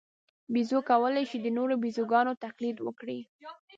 بیزو کولای شي د نورو بیزوګانو تقلید وکړي.